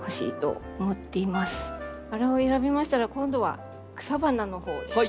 バラを選びましたら今度は草花のほうですね。